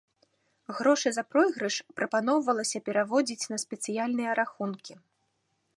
Грошы за пройгрыш прапаноўвалася пераводзіць на спецыяльныя рахункі.